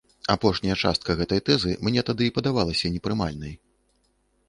Апошняя частка гэтай тэзы мне тады і падавалася непрымальнай.